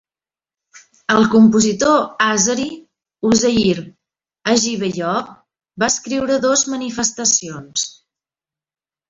El compositor àzeri Uzeyir Hajibeyov va escriure dos manifestacions.